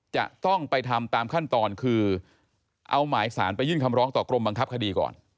จะต้องไปทำตามขั้นตอนคือเอาหมายสารไปยื่นคำร้องต่อกรมบังคับคดีก่อน